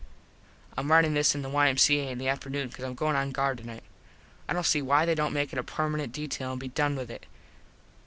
Im ritin this in the Y.M.C.A. in the afternoon cause Im goin on guard tonite. I dont see why they dont make it a permenant detail and be done with it.